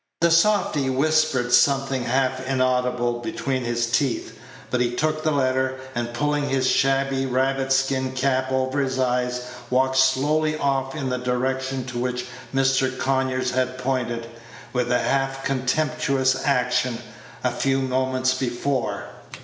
The softy whispered something half inaudible between his teeth; but he took the letter, and, pulling his shabby rabbit skin cap over his eyes, walked slowly off in the direction to which Mr. Conyers had pointed, with a half contemptuous action, a few moments before.